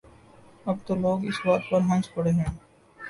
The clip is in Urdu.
اب تو لوگ اس بات پر ہنس پڑتے ہیں۔